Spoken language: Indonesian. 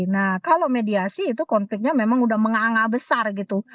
nah kalau mediasi itu konfliknya memang udah menganga besar gitu